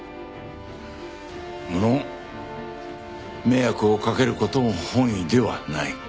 無論迷惑をかける事も本意ではない。